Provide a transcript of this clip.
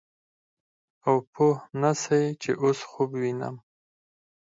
او پوه نه سې چې اوس خوب وينم.